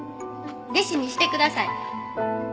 弟子にしてください。